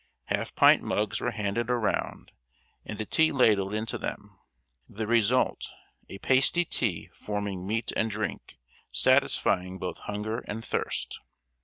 Half pint mugs were handed around and the tea ladled into them: the result, a pasty tea forming meat and drink, satisfying both hunger and thirst.